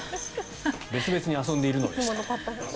別々に遊んでいるのでした。